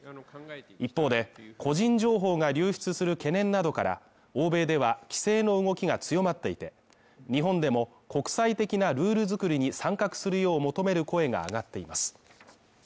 一方で個人情報が流出する懸念などから、欧米では規制の動きが強まっていて、日本でも国際的なルール作りに参画するよう求める声が上がっています。